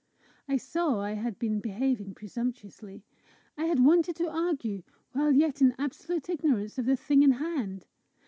I saw I had been behaving presumptuously: I had wanted to argue while yet in absolute ignorance of the thing in hand!